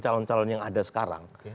calon calon yang ada sekarang